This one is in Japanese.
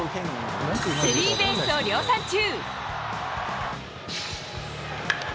スリーベースを量産中。